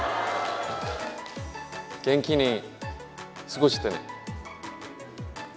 元気に過ごしてね。